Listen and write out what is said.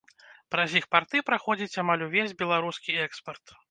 Праз іх парты праходзіць амаль увесь беларускі экспарт.